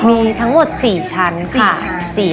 มีทั้งหมด๔ชั้นค่ะ๔ชั้น